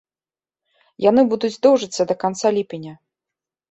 Яны будуць доўжыцца да канца ліпеня.